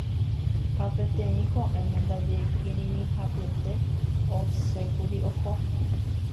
ha peteĩ ko'ẽme ndaje kirirĩhapete osẽkuri oho.